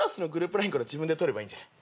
ＬＩＮＥから自分で取ればいいんじゃない？